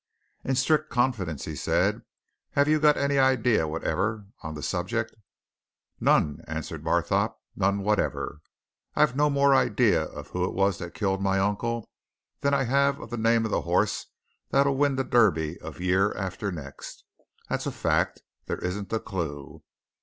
"In strict confidence," he said, "have you got any idea whatever on the subject?" "None!" answered Barthorpe. "None whatever! I've no more idea of who it was that killed my uncle than I have of the name of the horse that'll win the Derby of year after next! That's a fact. There isn't a clue."